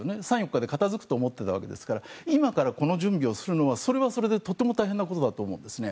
３４日で片付くと思っていたわけですから今からこの準備をするのはそれはそれでとても大変なことだと思います。